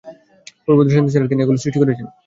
পূর্ব-দৃষ্টান্ত ছাড়াই তিনি এগুলো সৃষ্টি করেছেন।